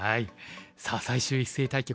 さあ最終一斉対局